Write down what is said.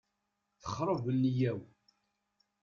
Texreb nniyya-w.